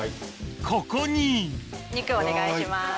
ここに肉お願いします。